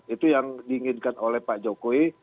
itu yang diinginkan oleh pak jokowi